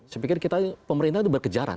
saya pikir kita pemerintah itu berkejaran